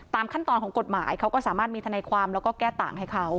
ขั้นตอนของกฎหมายเขาก็สามารถมีทนายความแล้วก็แก้ต่างให้เขา